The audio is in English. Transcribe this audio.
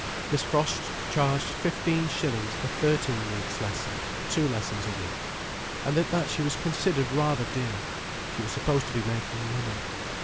Miss Frost charged fifteen shillings for thirteen weeks' lessons, two lessons a week. And at that she was considered rather dear. She was supposed to be making money.